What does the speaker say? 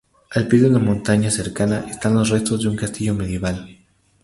Al pie de una montaña cercana están los restos de un castillo medieval.